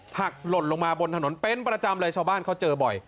หล่นลงมาบนถนนเป็นประจำเลยชาวบ้านเขาเจอบ่อย